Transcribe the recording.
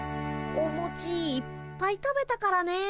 おもちいっぱい食べたからねえ。